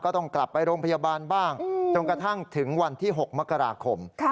ต้องกลับไปโรงพยาบาลบ้างจนกระทั่งถึงวันที่๖มกราคม